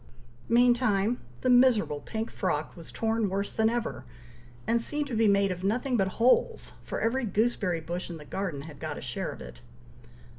Meantime, the miserable pink frock was torn worse than ever, and seemed to be made of nothing but holes, for every gooseberry bush in the garden had got a share of it.